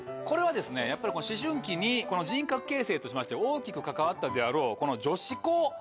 これはやっぱり思春期に人格形成としまして大きく関わったであろう女子校